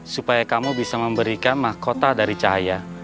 supaya kamu bisa memberikan mahkota dari cahaya